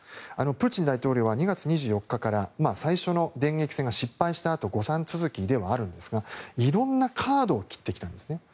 プーチン大統領は２月２４日から最初の電撃戦が失敗したあと誤算続きではあるんですがいろんなカードを切ってきたんですね。